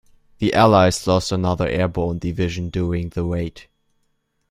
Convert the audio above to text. The allies lost another airborne division during the raid.